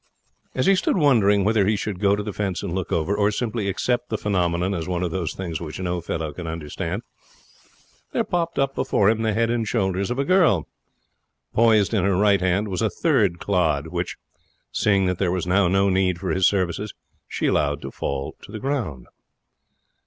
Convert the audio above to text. As he stood wondering whether he should go to the fence and look over, or simply accept the phenomenon as one of those things which no fellow can understand, there popped up before him the head and shoulders of a girl. Poised in her right hand was a third clod, which, seeing that there was now no need for its services, she allowed to fall to the ground.